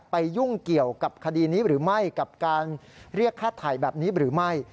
ไปยุ่งเกี่ยวกับคดีนี้กับการเรียกคาดถ่ายแบบนี้หรือไม่